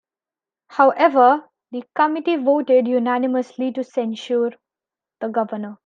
However, the committee voted unanimously to censure the governor.